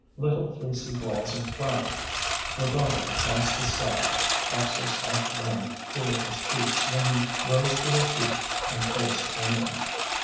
Little fleecy balls of cloud were dotted across the sky, puffs of soft wind cooled his cheeks when he rose to his feet and faced inland.